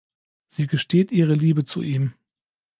Sie gesteht ihre Liebe zu ihm.